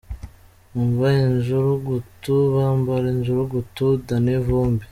Umva injurugutu! Bambara injurugutu!! Danny Vumbi.